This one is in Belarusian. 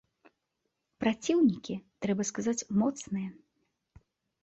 Праціўнікі, трэба сказаць, моцныя!